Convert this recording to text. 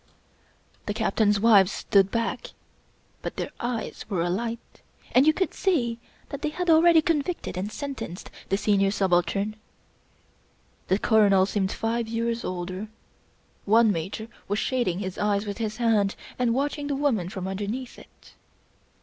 The Captains' wives stood back ; but their eyes were alight, and you could see that they had already convicted and sentenced the Senior Subaltern. The Colonel seemed five years older. One Major was shading his eyes with his hand and watch ing the woman from underneath it.